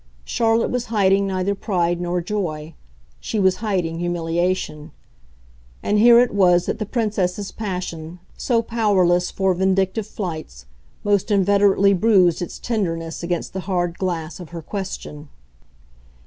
Charlotte was hiding neither pride nor joy she was hiding humiliation; and here it was that the Princess's passion, so powerless for vindictive flights, most inveterately bruised its tenderness against the hard glass of her question.